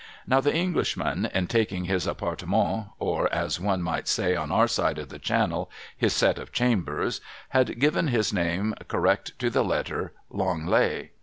Now the Englishman, in taking his Appartemcnt, — or, as one might say on our side of the Channel, his set of chambers, — had given his name, correct to the letter, Langley.